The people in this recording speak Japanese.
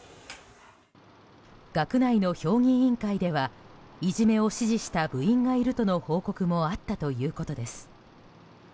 学内の評議員会ではいじめを指示した部員がいるとの報告もあったということです。